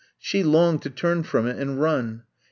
She longed to turn from it and run.